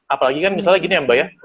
apalagi kan misalnya gini ya mbak ya